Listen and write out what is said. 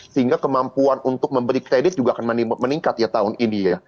sehingga kemampuan untuk memberi kredit juga akan meningkat ya tahun ini ya